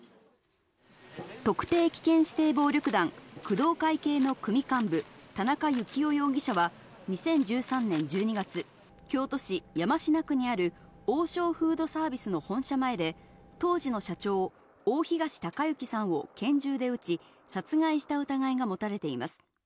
特定危険指定暴力団・工藤会系の組幹部、田中幸雄容疑者は２０１３年１２月、京都市山科区にある王将フードサービスの本社前で、当時の社長・大東隆行さんを拳銃で撃ち、殺害した疑いが持たれています。